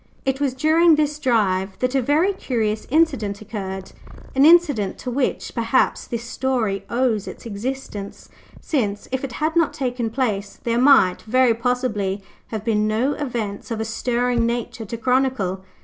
It was during this drive that a very curious incident occurred, an incident to which, perhaps, this story owes its existence, since, if it had not taken place, there might, very possibly, have been no events of a stirring nature to chronicle.